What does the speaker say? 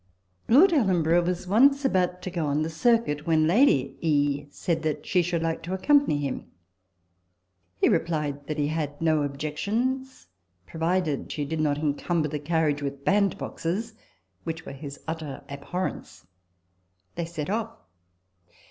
Lord Ellenborough was once about to go on the circuit, when Lady E. said that she should like to accompany him. He replied that he had no objec tions, provided she did not encumber the carriage TABLE TALK OF SAMUEL ROGERS 155 with bandboxes, which were his utter abhorrence. They set off.